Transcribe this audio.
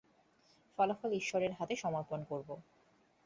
ফলাফল ঈশ্বরের হাতে সমর্পণ করব।